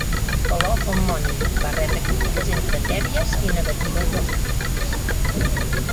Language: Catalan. "For Love or Money" va rebre crítiques entre tèbies i negatives dels crítics.